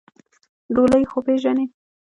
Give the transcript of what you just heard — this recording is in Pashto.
ډولۍ خو پېژنې؟